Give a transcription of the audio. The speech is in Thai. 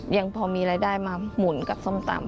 ยังพอมีรายได้มาหมุนกับส้มตำ